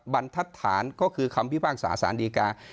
บรรทัศน์ก็คือคำพิพากษาสารดีกา